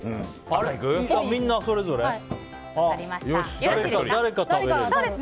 みんな、それぞれ？